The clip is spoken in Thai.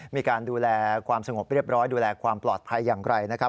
มีการดูแลความสงบเรียบร้อยดูแลความปลอดภัยอย่างไรนะครับ